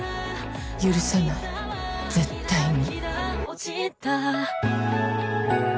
許さない絶対に。